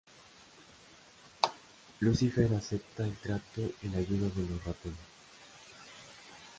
Lucifer acepta el trato y la ayuda de los ratones.